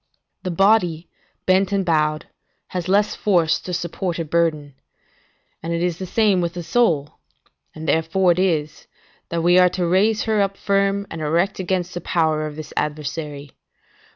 The body, bent and bowed, has less force to support a burden; and it is the same with the soul, and therefore it is, that we are to raise her up firm and erect against the power of this adversary.